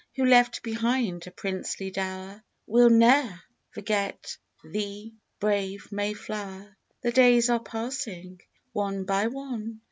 Who left behind a princely dower, We'll ne'er forget thee, brave Mayflower. The days are passing, one by one.